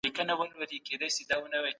په سیاست کې درې واړه زورونه مهم دي.